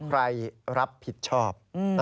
ใครรับผิดชอบ